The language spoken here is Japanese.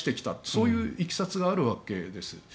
そういういきさつがあるわけです。